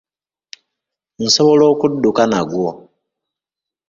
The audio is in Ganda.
Nsobola okudduka nagwo.